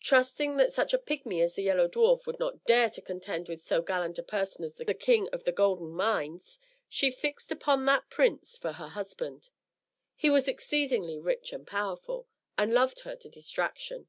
Trusting that such a pigmy as the Yellow Dwarf would not dare to contend with so gallant a person as the King of the Golden Mines, she fixed upon that prince for her husband. He was exceedingly rich and powerful, and loved her to distraction.